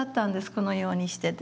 このようにしてね。